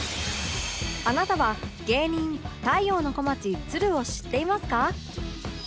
あなたは芸人太陽の小町つるを知っていますか？